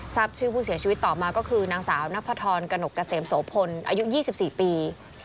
ชื่อผู้เสียชีวิตต่อมาก็คือนางสาวนพธรกนกเกษมโสพลอายุ๒๔ปี